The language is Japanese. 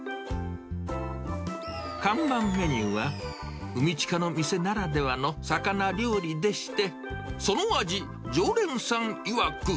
看板メニューは、海近の店ならではの魚料理でして、その味、常連さんいわく。